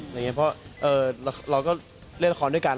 เพราะเราก็เล่นละครด้วยกัน